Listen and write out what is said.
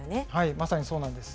まさにそうなんです。